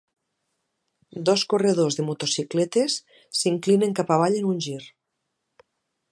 Dos corredors de motocicletes s'inclinen cap avall en un gir.